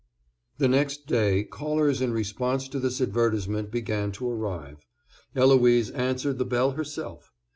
The next day callers in response to this advertisement began to arrive. Eloise answered the bell herself.